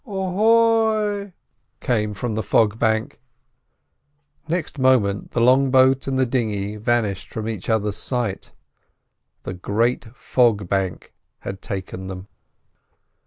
"Ahoy!" came from the fog bank. Next moment the long boat and the dinghy vanished from each other's sight: the great fog bank had taken them.